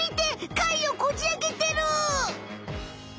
貝をこじあけてる！